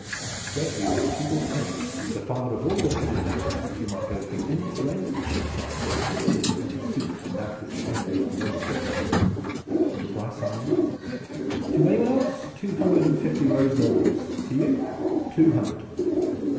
I swear to you by Tubal Cain, the father of all workers in metal, that you might go from end to end of Cheapside and never see a better suit than that which hangs from yonder hook!" "And the price, armorer?" "To anyone else, two hundred and fifty rose nobles. To you two hundred."